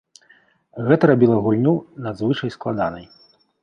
Гэта рабіла гульню надзвычай складанай.